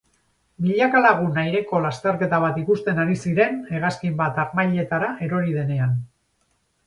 Milaka lagun aireko lasterketa bat ikusten ari ziren hegazkin bat harmailetara erori denean.